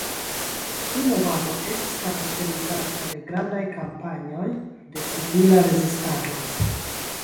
Tiu movado estis karakterizata de grandaj kampanjoj de civila rezistado.